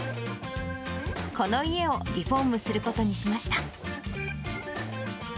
この家をリフォームすることにしました。